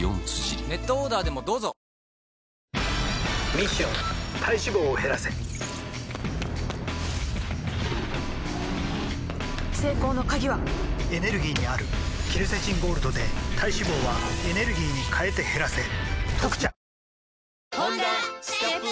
ミッション体脂肪を減らせ成功の鍵はエネルギーにあるケルセチンゴールドで体脂肪はエネルギーに変えて減らせ「特茶」